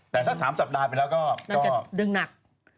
แต่ถ้าสามสัปดาห์ไปแล้วก็เดินหนัก